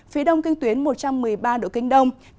phía đông kinh tuyến một trăm một mươi ba độ kinh đông